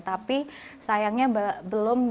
tapi sayangnya belum banyak yang mencari batik terenggalek ini